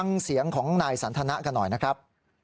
ฟังเสียงของนายสันทนะกันหน่อยนะครับ